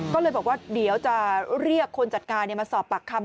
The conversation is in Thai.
ก็เลยบอกว่าเดี๋ยวจะเรียกคนจัดการมาสอบปากคำ